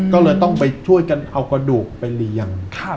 ก็เลยต้องไปช่วยกันเอากระดูกไปเลี้ยง